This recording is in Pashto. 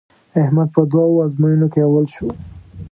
احمد په دوو ازموینو کې اول شو.